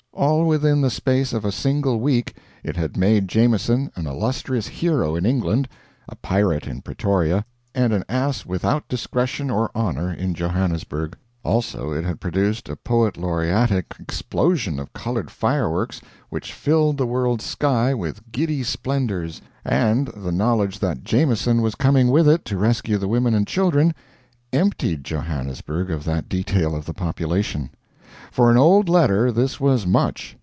All within the space of a single week it had made Jameson an illustrious hero in England, a pirate in Pretoria, and an ass without discretion or honor in Johannesburg; also it had produced a poet laureatic explosion of colored fireworks which filled the world's sky with giddy splendors, and, the knowledge that Jameson was coming with it to rescue the women and children emptied Johannesburg of that detail of the population. For an old letter, this was much.